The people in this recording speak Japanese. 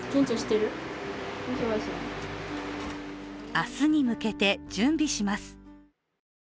明日に向けて準備します。